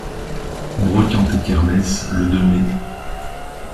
Brocante et kermesse le de mai.